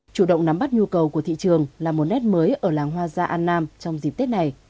chủ động nắm bắt nhu cầu của thị trường là một nét mới ở làng hoa gia an nam trong dịp tết này